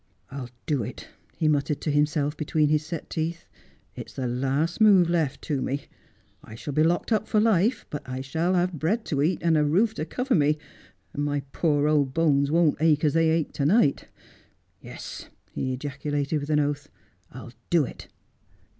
'I'll do it,' he muttered to himself between his set teeth. ' It's the last move left to me. I shall be locked up for life, but I shall have bread to eat, and a roof to cover me, and my poor old bones won't ache as they ache to night. Yes,' he ejaculated with an oath, ' I'll do it.'